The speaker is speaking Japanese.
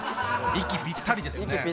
息ぴったりですよ。